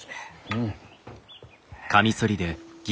うん。